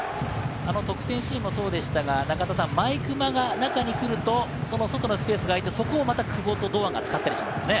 得点シーンもそうでしたが、毎熊が中に来ると、その外のスペースが空いて、そこをまた久保と堂安が使ったりしますよね。